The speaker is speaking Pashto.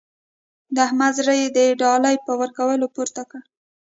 د احمد زړه يې د ډالۍ په ورکولو پورته کړ.